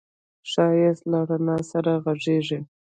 ښایست له رڼا سره غږېږي